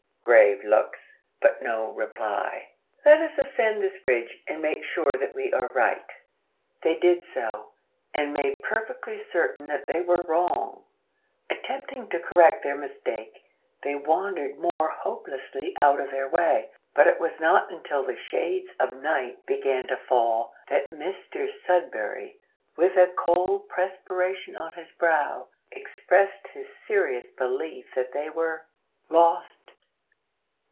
Grave looks, but no reply. "Let us ascend this ridge, and make sure that we are right." They did so, and made perfectly certain that they were wrong. Attempting to correct their mistake, they wandered more hopelessly out of their way, but it was not until the shades of night began to fall that Mr Sudberry, with a cold perspiration on his brow, expressed his serious belief that they were "lost!"